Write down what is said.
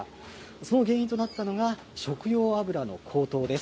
その原因となったのが、食用油の高騰です。